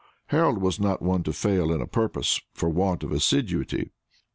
Harold was not one to fail in a purpose for want of assiduity.